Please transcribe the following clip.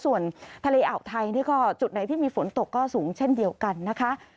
ส่วนทะเลอ่าวไทยนี่ก็จุดไหนที่มีฝนตกก็สูงเช่นเดียวกันนะคะ